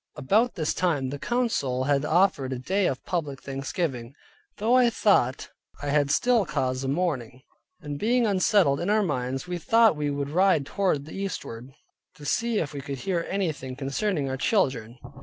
About this time the council had ordered a day of public thanksgiving. Though I thought I had still cause of mourning, and being unsettled in our minds, we thought we would ride toward the eastward, to see if we could hear anything concerning our children.